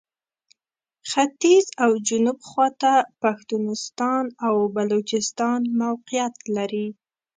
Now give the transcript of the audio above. ختیځ او جنوب خواته پښتونستان او بلوچستان موقعیت لري.